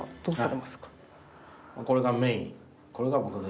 これがメイン。